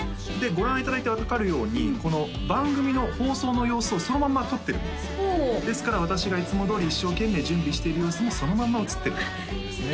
ご覧いただいて分かるようにこの番組の放送の様子をそのまんま撮ってるんですよですから私がいつもどおり一生懸命準備している様子もそのまんま映ってるんですね